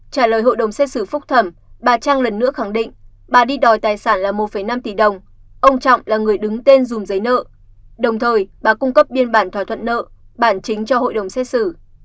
trả lời hội đồng xét xử phúc thẩm bà trang lần nữa khẳng định bà đi đòi tài sản là một năm tỷ đồng ông trọng là người đứng tên dùng giấy nợ đồng thời bà cung cấp biên bản thỏa thuận nợ bản chính cho hội đồng xét xử